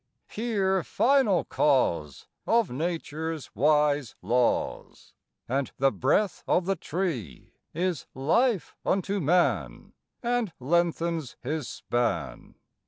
Here final cause Of nature's wise laws; And the breath of the tree Is life unto man And lengthens his span.'